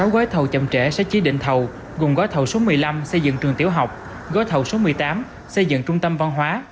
sáu gói thầu chậm trễ sẽ chỉ định thầu gồm gói thầu số một mươi năm xây dựng trường tiểu học gói thầu số một mươi tám xây dựng trung tâm văn hóa